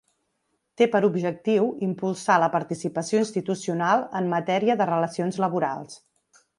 Té per objectiu impulsar la participació institucional en matèria de relacions laborals.